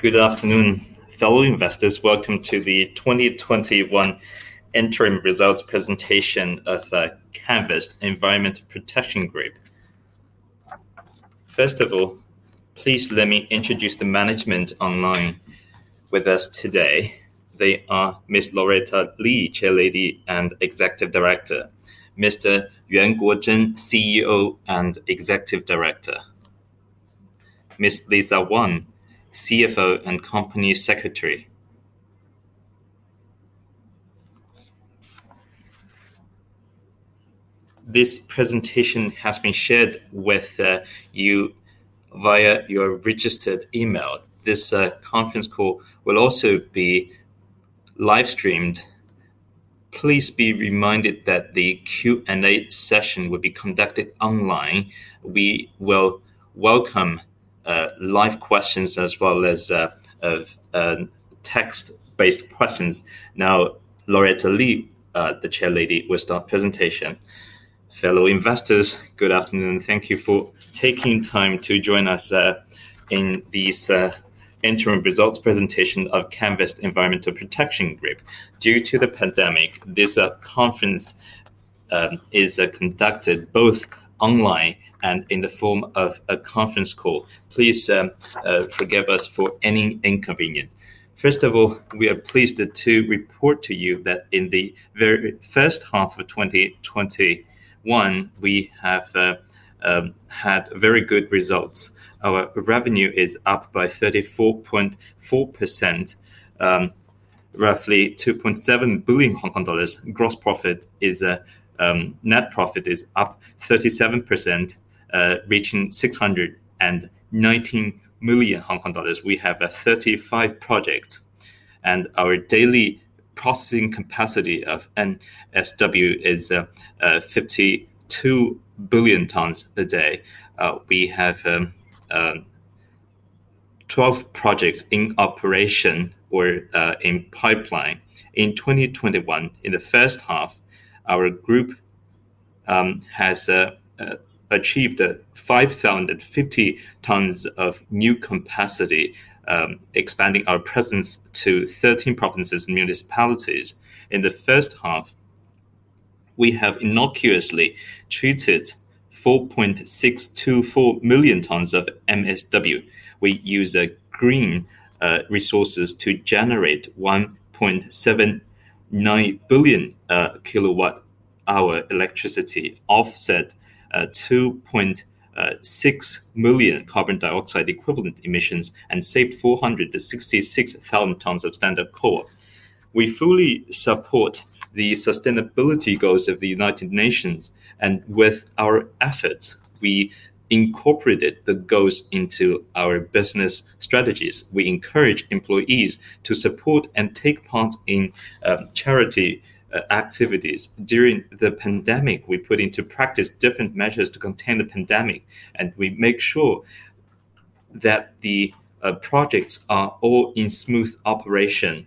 Good afternoon, fellow investors. Welcome to the 2021 interim results presentation of Canvest Environmental Protection Group. Please let me introduce the management online with us today. They are Ms. Loretta Li, Chairlady and Executive Director. Mr. Yuan Guozhen, CEO and Executive Director. Ms. Lisa Wong, CFO and Company Secretary. This presentation has been shared with you via your registered email. This conference call will also be live-streamed. Please be reminded that the Q&A session will be conducted online. We will welcome live questions as well as text-based questions. Now, Loretta Li, the Chairlady, will start presentation. Fellow investors, good afternoon. Thank you for taking time to join us in this interim results presentation of Canvest Environmental Protection Group. Due to the pandemic, this conference is conducted both online and in the form of a conference call. Please forgive us for any inconvenience. First of all, we are pleased to report to you that in the very first half of 2021, we have had very good results. Our revenue is up by 34.4%, roughly 2.7 billion Hong Kong dollars. Net profit is up 37%, reaching 619 million Hong Kong dollars. We have 35 projects, and our daily processing capacity of MSW is 52 billion tons per day. We have 12 projects in operation or in pipeline. In 2021, in the first half, our group has achieved 5,050 tons of new capacity, expanding our presence to 13 provinces, municipalities. In the first half, we have innocuously treated 4.624 million tons of MSW. We use green resources to generate 1.79 billion KWh electricity, offset 2.6 million carbon dioxide equivalent emissions, and saved 466,000 tons of standard coal. We fully support the sustainability goals of the United Nations. With our efforts, we incorporated the goals into our business strategies. We encourage employees to support and take part in charity activities. During the pandemic, we put into practice different measures to contain the pandemic, and we make sure that the projects are all in smooth operation.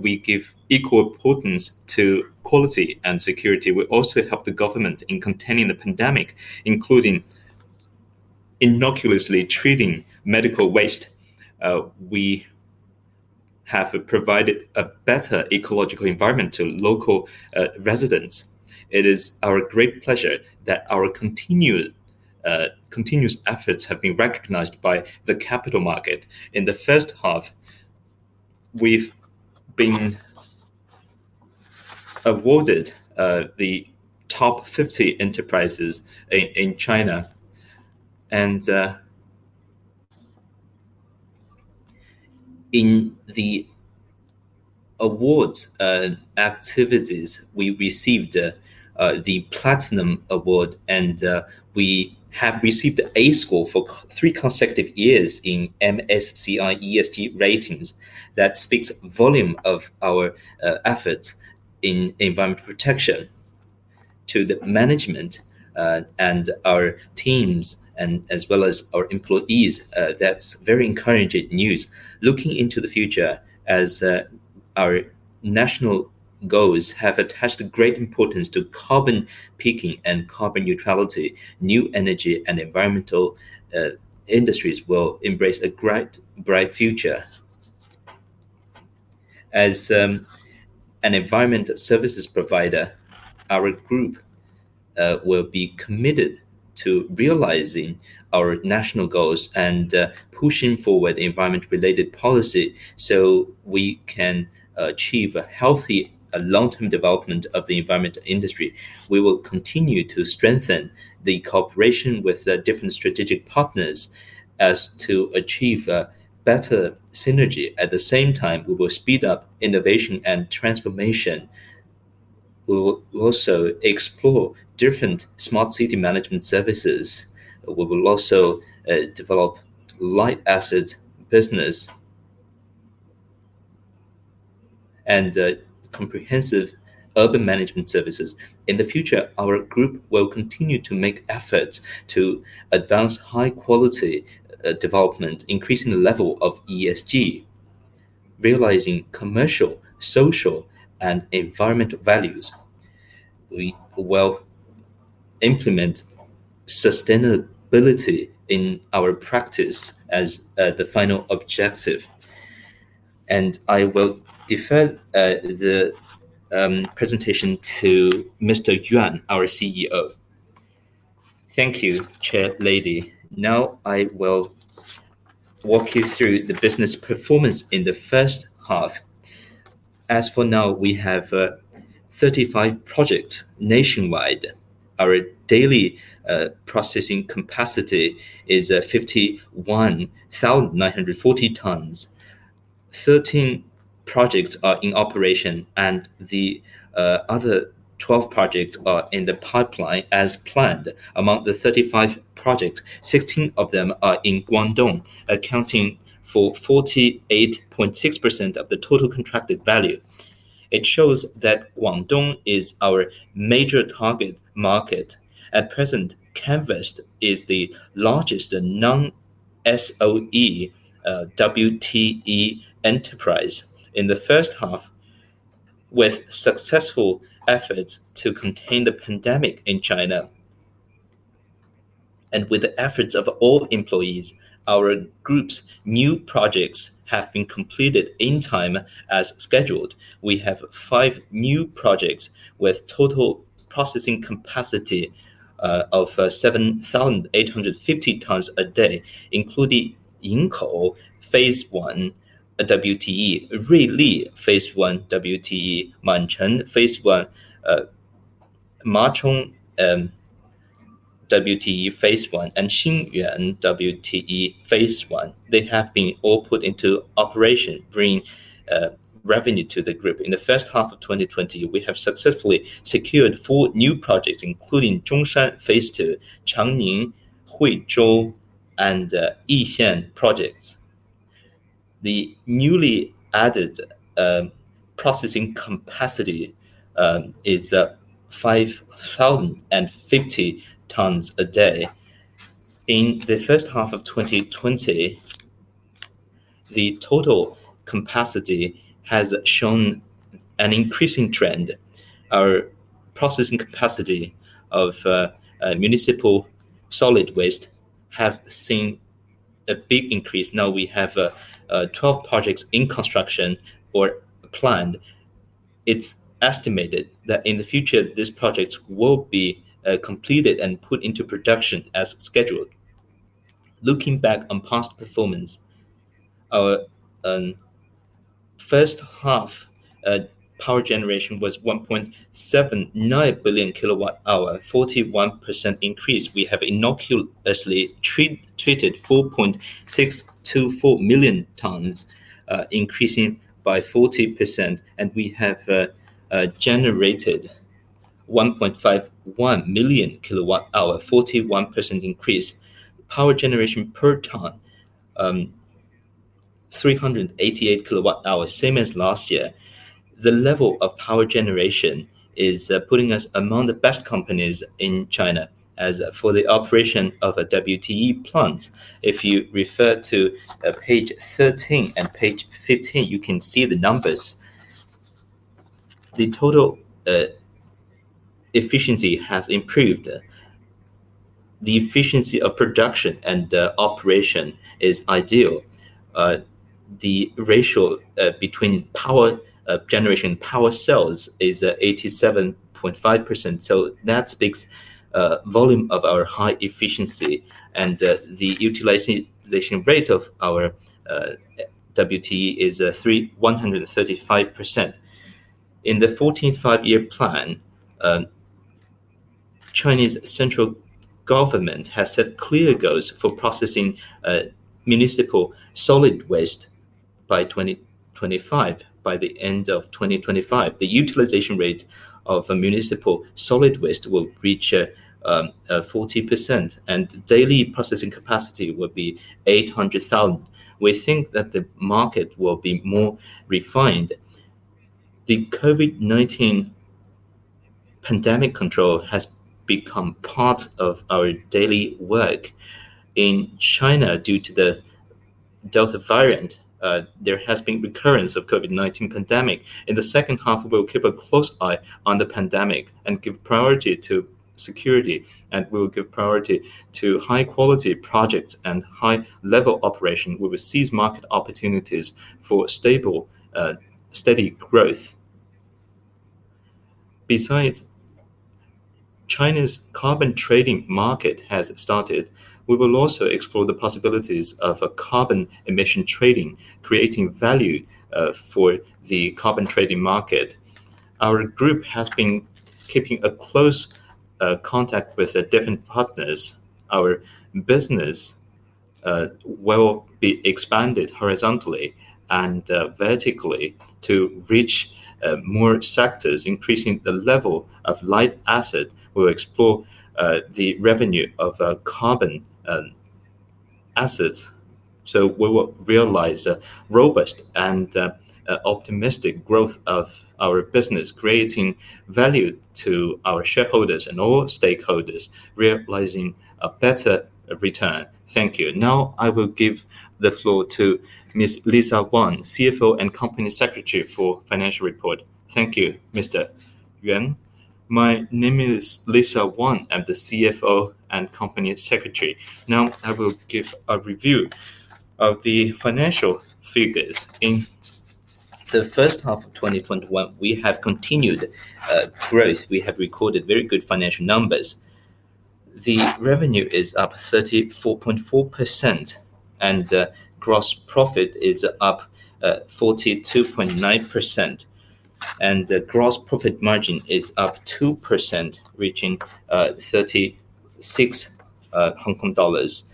We give equal importance to quality and security. We also help the government in containing the pandemic, including innocuously treating medical waste. We have provided a better ecological environment to local residents. It is our great pleasure that our continuous efforts have been recognized by the capital market. In the first half, we've been awarded the top 50 enterprises in China, and in the awards activities, we received the Platinum Award, and we have received the A score for three consecutive years in MSCI ESG ratings. That speaks volume of our efforts in environmental protection. To the management and our teams, and as well as our employees, that's very encouraging news. Looking into the future, as our national goals have attached a great importance to carbon peaking and carbon neutrality, new energy and environmental industries will embrace a great, bright future. As an environment services provider, our group will be committed to realizing our national goals and pushing forward environment-related policy so we can achieve a healthy, long-term development of the environmental industry. We will continue to strengthen the cooperation with different strategic partners as to achieve a better synergy. At the same time, we will speed up innovation and transformation. We will also explore different smart city management services. We will also develop asset-light business and comprehensive urban management services. In the future, our group will continue to make efforts to advance high-quality development, increasing the level of ESG. Realizing commercial, social, and environmental values. We will implement sustainability in our practice as the final objective. I will defer the presentation to Mr. Yuan, our CEO. Thank you, Chairlady. Now I will walk you through the business performance in the first half. As for now, we have 35 projects nationwide. Our daily processing capacity is 51,940 tons. 13 projects are in operation, and the other 12 projects are in the pipeline as planned. Among the 35 projects, 16 of them are in Guangdong, accounting for 48.6% of the total contracted value. It shows that Guangdong is our major target market. At present, Canvest is the largest non-SOE WTE enterprise. In the first half, with successful efforts to contain the pandemic in China, and with the efforts of all employees, our group's new projects have been completed in time as scheduled. We have five new projects with total processing capacity of 7,850 tons a day, including Yingkou Phase 1 WTE, Rui Li Phase 1 WTE, Machong WTE Phase 1, and Xinyang WTE Phase 1. They have been all put into operation, bringing revenue to the group. In the first half of 2020, we have successfully secured four new projects, including Zhongshan Phase 2, Changning, Huizhou, and Yixian projects. The newly added processing capacity is 5,050 tons a day. In the first half of 2020, the total capacity has shown an increasing trend. Our processing capacity of municipal solid waste have seen a big increase. Now we have 12 projects in construction or planned. It's estimated that in the future, these projects will be completed and put into production as scheduled. Looking back on past performance, our first half power generation was 1.79 billion kWh, a 41% increase. We have innocuously treated 4.624 million tons, increasing by 14%, and we have generated 1.51 million kWh, a 41% increase. Power generation per ton, 388 kWh same as last year. The level of power generation is putting us among the best companies in China. As for the operation of a WTE plant, if you refer to page 13 and page 15, you can see the numbers. The total efficiency has improved. The efficiency of production and operation is ideal. The ratio between power generation power sales is 87.5%, that speaks volume of our high efficiency, and the utilization rate of our WTE is 135%. In the 14th Five-Year Plan, Chinese central government has set clear goals for processing municipal solid waste by 2025. By the end of 2025, the utilization rate of municipal solid waste will reach 40%, and daily processing capacity will be 800,000. We think that the market will be more refined. The COVID-19 pandemic control has become part of our daily work. In China, due to the Delta variant, there has been recurrence of COVID-19 pandemic. In the second half, we will keep a close eye on the pandemic and give priority to security, and we will give priority to high-quality projects and high-level operation. We will seize market opportunities for stable, steady growth. Besides, China's carbon trading market has started. We will also explore the possibilities of carbon emission trading, creating value for the carbon trading market. Our group has been keeping a close contact with different partners. Our business will be expanded horizontally and vertically to reach more sectors, increasing the level of asset-light. We'll explore the revenue of carbon assets so we will realize a robust and optimistic growth of our business, creating value to our shareholders and all stakeholders, realizing a better return. Thank you. I will give the floor to Ms. Lisa Wong, CFO, and Company Secretary for financial report. Thank you, Mr. Yuan. My name is Lisa Wong, I'm the CFO and Company Secretary. I will give a review of the financial figures. In the first half of 2021, we have continued growth. We have recorded very good financial numbers. The revenue is up 34.4%, and gross profit is up 42.9%, and the gross profit margin is up 2%, reaching 36 Hong Kong dollars.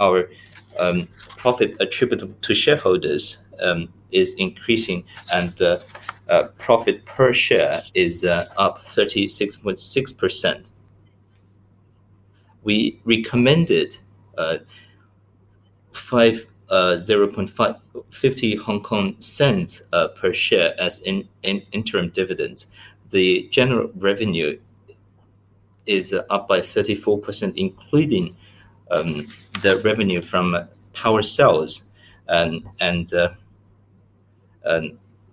Our profit attributable to shareholders is increasing, and profit per share is up 36.6%. We recommended 0.50 per share as an interim dividend. The general revenue is up by 34%, including the revenue from power sales and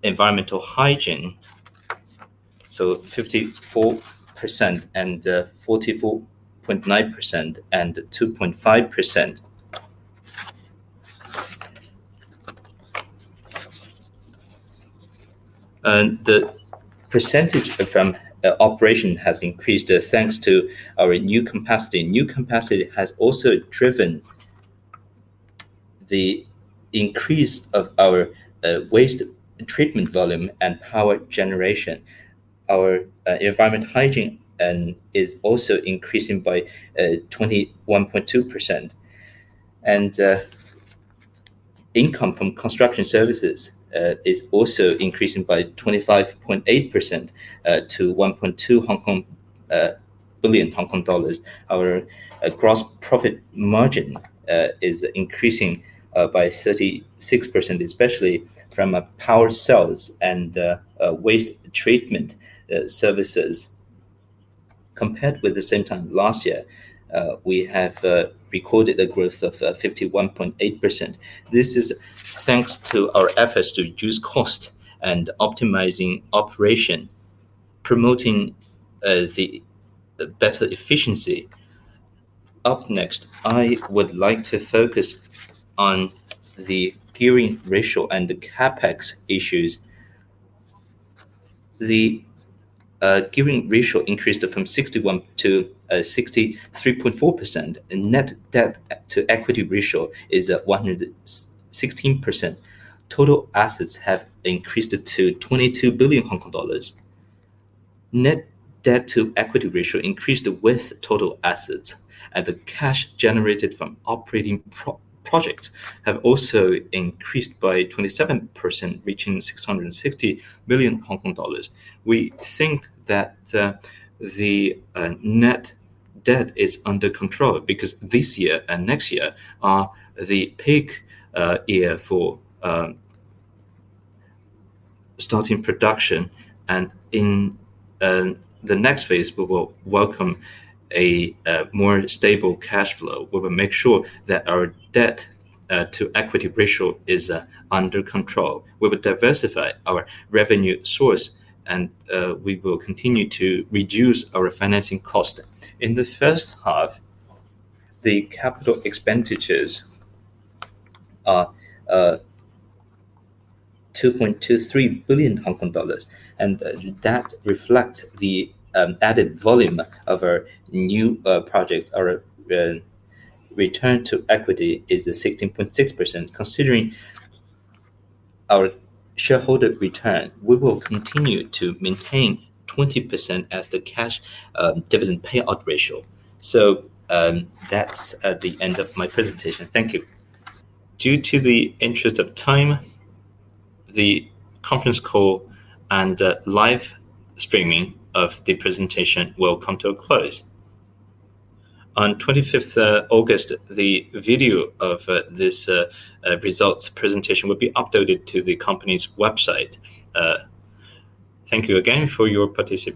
environmental hygiene so 54% and 44.9% and 2.5%. The percentage from the operation has increased thanks to our new capacity. New capacity has also driven the increase of our waste treatment volume and power generation. Our environmental hygiene is also increasing by 21.2%. Income from construction services is also increasing by 25.8% to 1.2 billion Hong Kong dollars. Our gross profit margin is increasing by 36%, especially from power sales and waste treatment services. Compared with the same time last year, we have recorded a growth of 51.8%. This is thanks to our efforts to reduce cost and optimizing operation, promoting the better efficiency. Up next, I would like to focus on the gearing ratio and the CapEx issues. The gearing ratio increased from 61%-63.4%, and net debt-to-equity ratio is at 116%. Total assets have increased to 22 billion Hong Kong dollars. Net debt-to-equity ratio increased with total assets, and the cash generated from operating projects have also increased by 27%, reaching 660 million Hong Kong dollars. We think that the net debt is under control because this year and next year are the peak year for starting production, and in the next phase, we will welcome a more stable cash flow. We will make sure that our debt-to-equity ratio is under control. We will diversify our revenue source, and we will continue to reduce our financing cost. In the first half, the CapEx are 2.23 billion Hong Kong dollars, and that reflects the added volume of our new projects. Our return on equity is 16.6%. Considering our shareholder return, we will continue to maintain 20% as the cash dividend payout ratio. That's the end of my presentation. Thank you. Due to the interest of time, the conference call and live streaming of the presentation will come to a close. On 25th August, the video of this results presentation will be uploaded to the company's website. Thank you again for your participation.